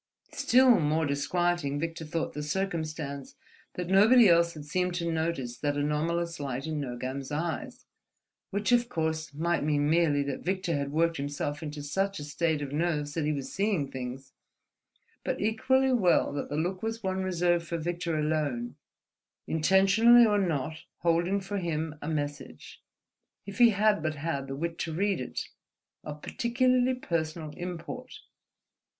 Still more disquieting Victor thought the circumstance that nobody else had seemed to notice that anomalous light in Nogam's eyes; which of course might mean merely that Victor had worked himself into such a state of nerves that he was seeing things, but equally well that the look was one reserved for Victor alone, intentionally or not holding for him a message, if he had but had the wit to read it, of peculiarly personal import.